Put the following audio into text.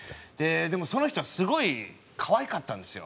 でもその人はすごい可愛かったんですよ。